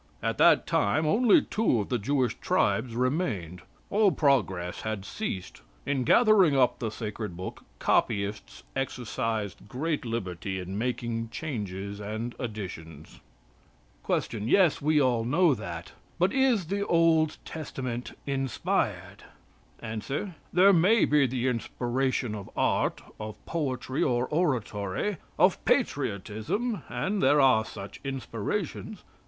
At that time only two of the Jewish tribes remained. All progress had ceased. In gathering up the sacred book, copyists exercised great liberty in making changes and additions." Q. Yes, we know all that, but is the Old Testament inspired? A. "There maybe the inspiration of art, of poetry, or oratory; of patriotism and there are such inspirations.